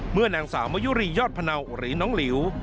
เมื่อนางสาวมะยุรียอดพะเนาหรือน้องหลิว